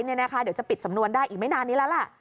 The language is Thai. เดี๋ยวจะปิดสำนวนได้อีกไม่นานนี้แล้วแหละ